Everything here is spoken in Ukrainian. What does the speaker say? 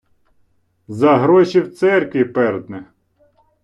За гроші в церкві пердне